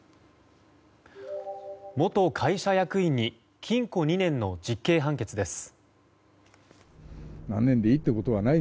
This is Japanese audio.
元会社役員に禁錮２年の実刑判決です。